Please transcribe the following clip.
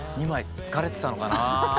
疲れてたのかなあ。